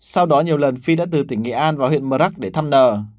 sau đó nhiều lần phi đã từ tỉnh nghệ an vào huyện mờ rắc để thăm nờ